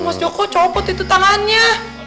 mas joko copot itu tangannya